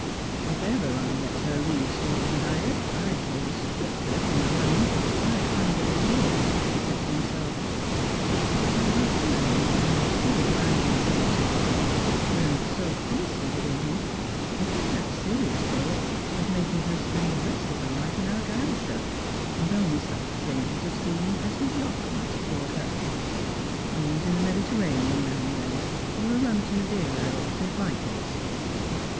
" If ever I let her leave Slogh na Dyack, I shall restrict her to an allowance of five hundred a year," he said to himself. But there were times when the spirit of anger against his wife burnt so fiercely within him, that he had serious thoughts of strangers and Filjrims. 277 making tier spend the rest of her life in Arfryleshire, with only Buch change of scene as his yacht might atford her — a cruise in the iSIediterranean now and then, or a ran to Madeira or St. Michael's.